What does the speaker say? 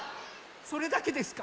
それだけですか？